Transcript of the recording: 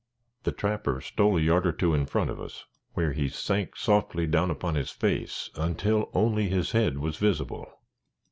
The trapper stole a yard or two in front of us, where he sank softly down upon his face until only his head was visible.